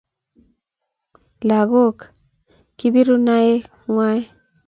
Lakok kiburi nae ng'wai